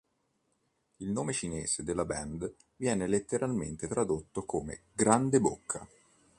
Il nome cinese della band viene letteralmente tradotto come "grande bocca".